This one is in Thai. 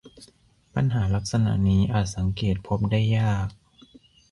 ปัญหาลักษณะนี้อาจสังเกตพบได้ยาก